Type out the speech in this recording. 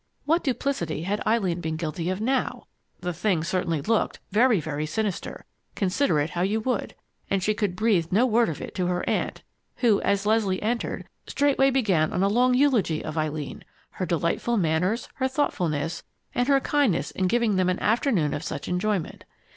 What duplicity had Eileen been guilty of now? The thing certainly looked very, very sinister, consider it how you would! And she could breathe no word of it to her aunt, who, as Leslie entered, straightway began on a long eulogy of Eileen, her delightful manners, her thoughtfulness, and her kindness in giving them an afternoon of such enjoyment.